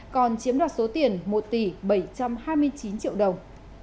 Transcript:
còn chiếm đoạt số tiền một tỷ bảy trăm hai mươi chín triệu đồng